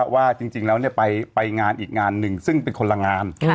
ว่าจริงแล้วไปงานอีกงานหนึ่งซึ่งเป็นคนละงาน